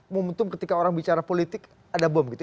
momentum ketika orang bicara politik ada bom gitu